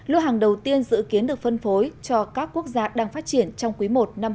lưu hàng đầu tiên dự kiến được phân phối cho các quốc gia đang phát triển trong quý i